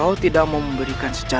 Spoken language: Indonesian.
ayuh cepat antarkan aku